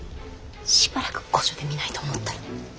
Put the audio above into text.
しばらく御所で見ないと思ったら。